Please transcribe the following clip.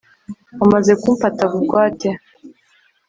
wamaze kumfata bugwate